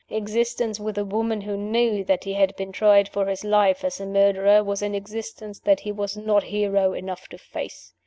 Existence with a woman who knew that he had been tried for his life as a murderer was an existence that he was not hero enough to face.